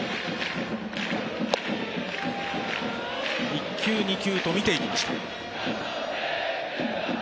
１球、２球と見ていきました。